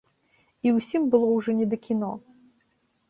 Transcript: І ўсім было ўжо не да кіно.